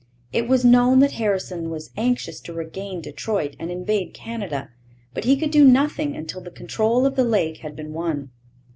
It was known that Harrison was anxious to regain Detroit and invade Canada, but he could do nothing until the control of the lake had been won.